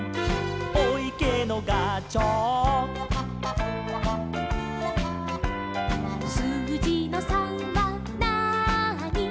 「おいけのがちょう」「すうじの３はなーに」